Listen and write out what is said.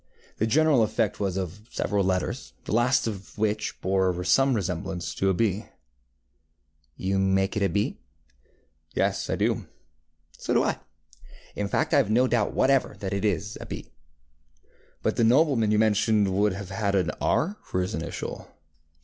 The general effect was of several letters, the last of which bore some resemblance to a B. ŌĆ£You make it a B?ŌĆØ ŌĆ£Yes, I do. ŌĆØ ŌĆ£So do I. In fact, I have no doubt whatever that it is a B.ŌĆØ ŌĆ£But the nobleman you mentioned would have had R for his initial.